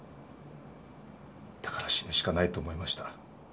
だから死ぬしかないと思いました。